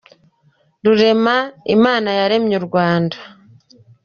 Rurema Imana waremye U Rwanda